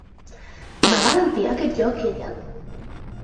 Va garantir aquest lloc ella?